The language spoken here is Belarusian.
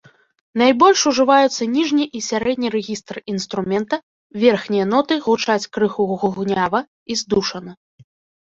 Найбольш ужываюцца ніжні і сярэдні рэгістр інструмента, верхнія ноты гучаць крыху гугнява і здушана.